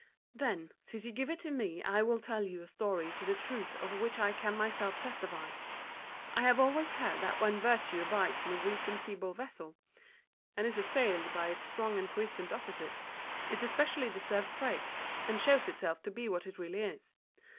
"Then, since you give it to me, I will tell you a story to the truth of which I can myself testify. I have always heard that when virtue abides in a weak and feeble vessel, and is assailed by its strong and puissant opposite, it especially deserves praise, and shows itself to be what it really is.